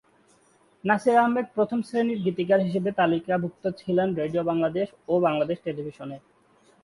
নাসির আহমেদ প্রথম শ্রেণির গীতিকার হিসেবে তালিকাভুক্ত ছিলেন রেডিও বাংলাদেশ ও বাংলাদেশ টেলিভিশনে।